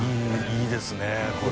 いいですねこれ。